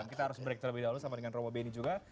kita harus break terlebih dahulu sama dengan romo beni juga